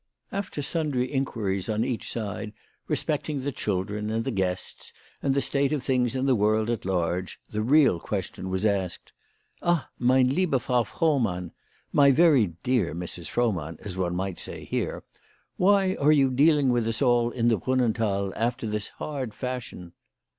After sundry inquiries on each side, respecting the children and the guests, and the state of things in the world at large, the real question was asked, " Ah, meine liebe Frau Frohmann, my very dear Mrs. Frohmann, as one might say here, why are you dealing with us all in the Brunnenthal after this hard fashion?"